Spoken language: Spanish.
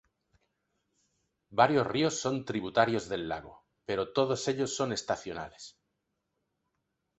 Varios ríos son tributarios del lago, pero todos ellos son estacionales.